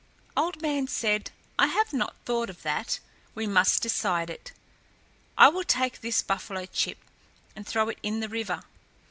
Old Man said, "I have not thought of that. We must decide it. I will take this buffalo chip and throw it in the river.